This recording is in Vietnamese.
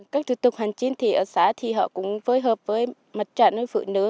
các thủ tục hành chính ở xã thì họ cũng phối hợp với mặt trạng với phụ nữ